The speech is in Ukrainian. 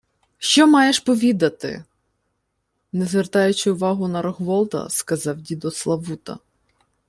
— Що маєш повідати? — не звертаючи увагу на Рогволода, сказав дідо Славута.